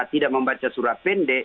tidak membaca surah pendek